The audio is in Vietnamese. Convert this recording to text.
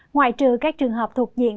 ngoại trừ các trường hợp thuộc diện